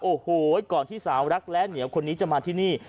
โอ้โหก่อนที่สาวรักและเหนียวคนนี้จะมาที่นี่